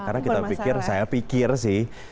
karena kita pikir saya pikir sih